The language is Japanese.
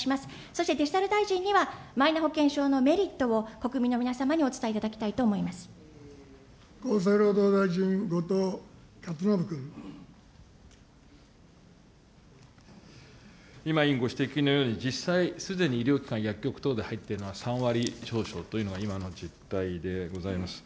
そしてデジタル大臣にはマイナ保険証のメリットを、国民の皆様に厚生労働大臣、今、委員ご指摘のように、実際、すでに医療機関、薬局等で入っているのは３割少々というのが今の実態でございます。